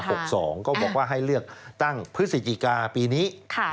ก็บอกว่าให้เลือกตั้งพฤศจิกาปีนี้